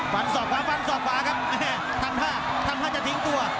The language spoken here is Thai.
ศอกขวาฟันศอกขวาครับแม่ทำท่าทำท่าจะทิ้งตัว